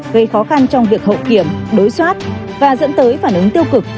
gây khó khăn trong việc hậu kiểm đối soát và dẫn tới phản ứng tiêu cực